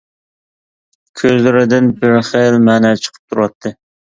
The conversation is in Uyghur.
كۆزلىرىدىن بىر خىل مەنە چىقىپ تۇراتتى.